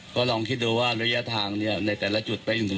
ซึ่งคุณผู้ค่องรวมทุกของคุณ